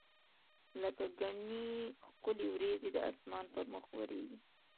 لکه ګڼي ښکلي وریځي د اسمان پر مخ ورکیږي